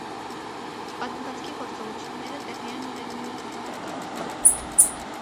Պատմվածքի գործողությունները տեղի են ունենում մի գավառական քաղաքում։